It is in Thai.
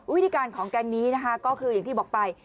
วิธีการของแก๊งนี้นะคะก็คืออย่างที่บอกไป